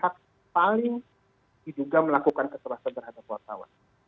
jadi hak paling diduga melakukan keterasan terhadap wartawan